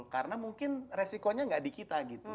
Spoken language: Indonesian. karena mungkin resikonya gak di kita gitu